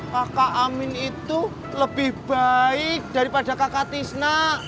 kakak amin itu lebih baik daripada kakak tisna